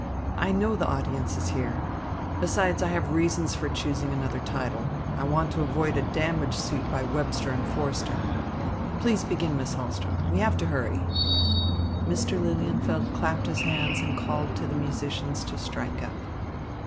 I know the audiences here. Besides, I have reasons for choosing another title. I want to avoid a damage suit by Webster and Forster. Please begin, Miss Hahlström. We have to hurry." Mr. Lilienfeld clapped his hands and called to the musicians to strike up.